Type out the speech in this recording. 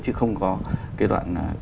chứ không có cái đoạn